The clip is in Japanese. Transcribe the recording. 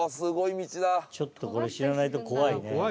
ちょっとこれ知らないと怖いね。